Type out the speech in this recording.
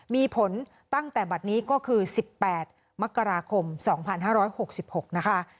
มีผลตั้งแต่บัตรนี้ก็คือ๑๘มกราคม๒๕๖๖นะคะ